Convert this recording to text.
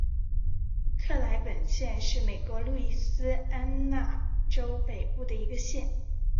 克莱本县是美国路易斯安那州北部的一个县。